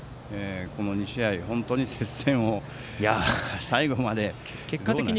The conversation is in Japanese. この２試合、本当に接戦を最終的に。